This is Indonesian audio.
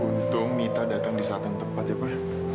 untung mita datang di saat yang tepat ya pak